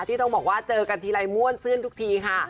ที่ต้องบอกว่าเจอกันทีไรม่วนซื่นทุกทีค่ะ